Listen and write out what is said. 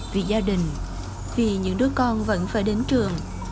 vì gia đình vì những đứa con vẫn phải đến trường